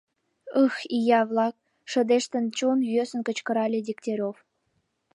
— Ы-ых, ия-влак! — шыдештын, чон йӧсын кычкырале Дегтярев.